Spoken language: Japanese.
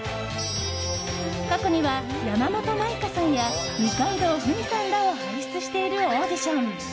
過去には山本舞香さんや二階堂ふみさんらを輩出しているオーディション。